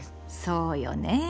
そうよね。